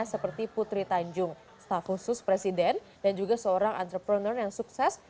seperti putri tanjung staf khusus presiden dan juga seorang entrepreneur yang sukses